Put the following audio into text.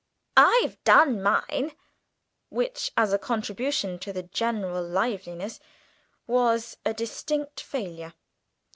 I've done mine;" which, as a contribution to the general liveliness, was a distinct failure.